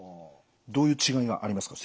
どういう違いがありますか？